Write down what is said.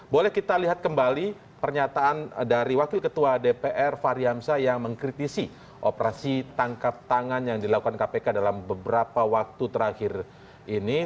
boleh kita lihat kembali pernyataan dari wakil ketua dpr fahri hamzah yang mengkritisi operasi tangkap tangan yang dilakukan kpk dalam beberapa waktu terakhir ini